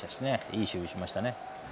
いい守備しましたね。